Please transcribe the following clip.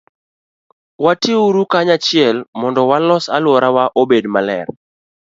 Watiuru kanyachiel mondo walos alworawa obed maber.